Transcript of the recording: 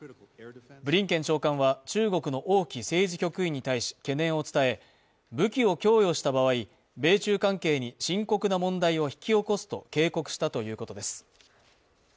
ブリンケン長官は、中国の王毅政治局員に対し懸念を伝え、武器を供与した場合、米中関係に深刻な問題を引き起こすと警告したということです。